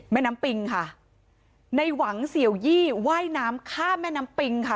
แม่น้ำปิงค่ะในหวังเสี่ยวยี่ว่ายน้ำข้ามแม่น้ำปิงค่ะ